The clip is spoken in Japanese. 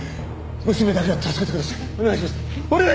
娘だけは助けてください。